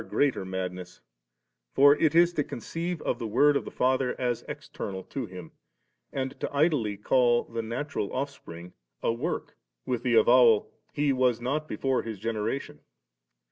1 greater madness, for it is to conceive of the Word of the Father as external to Him, and to idly call the natural offspring a work, with the avowal, ' He was not before His genera tion.'